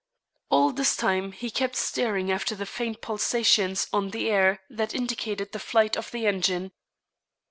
All this time he kept staring after the faint pulsations on the air that indicated the flight of the engine.